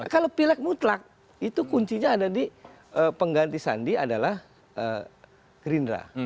kalau pileg mutlak itu kuncinya ada di pengganti sandi adalah gerindra